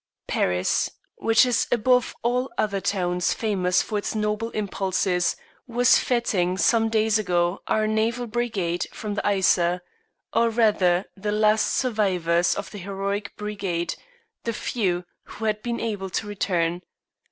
Paris, which is above all other towns famous for its noble impulses, was fêting some days ago our Naval Brigade from the Yser or rather the last survivors of the heroic Brigade, the few who had been able to return.